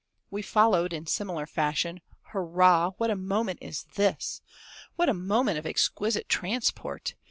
We followed, in similar fashion; Hurrah, what a moment is this! What a moment of exquisite transport!